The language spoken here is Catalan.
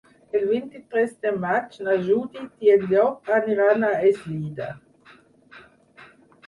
El vint-i-tres de maig na Judit i en Llop aniran a Eslida.